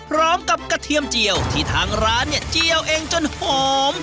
พร้อมกับกระเทียมเจียวที่ทางร้านเจียวเองจนหอม